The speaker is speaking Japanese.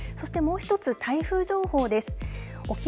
そしてもう一つ台風情報です。